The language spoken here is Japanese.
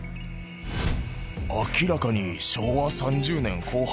明らかに昭和３０年後半？